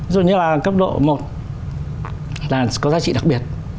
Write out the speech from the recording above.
ví dụ như là cấp độ một là có giá trị đặc biệt